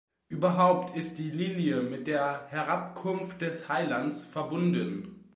Überhaupt ist die Lilie mit der Herabkunft des Heilands verbunden.